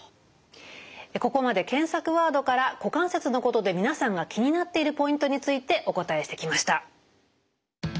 ここまで検索ワードから股関節のことで皆さんが気になっているポイントについてお答えしてきました。